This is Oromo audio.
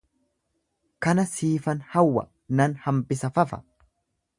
Kana siifan hawwa, nan hambisa fafa